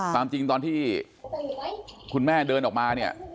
ความจริงตอนที่คุณแม่เดินออกมาเนี่ย